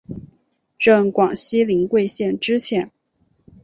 任广西临桂县知县。